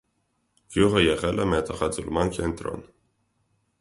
Գյուղը եղել է մետաղաձուլման կենտրոն։